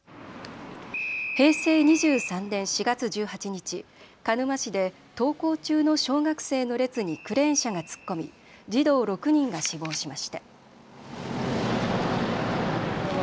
平成２３年４月１８日、鹿沼市で登校中の小学生の列にクレーン車が突っ込み児童６人が死亡しました。